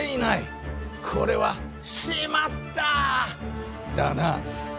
これは「しまった！」だな。